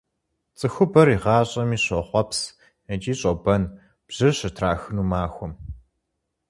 ЦӀыхубэр игъащӀэми щӀохъуэпс икӀи щӀобэн бжьыр щытрахыну махуэм.